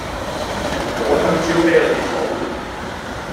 蘋果香蕉啤梨桃